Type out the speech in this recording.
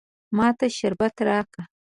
ما ته شربت راکه.